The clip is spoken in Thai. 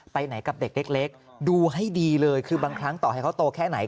ไปไหนกับเด็กเล็กดูให้ดีเลยคือบางครั้งต่อให้เขาโตแค่ไหน